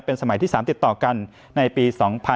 เป็นสมัยที่๓ติดต่อกันในปี๒๐๒๓